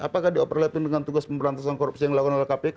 apakah di overlapin dengan tugas pemberantasan korupsi yang dilakukan oleh kpk